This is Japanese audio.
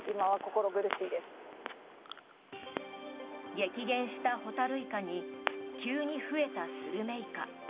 激減したホタルイカに急に増えたスルメイカ。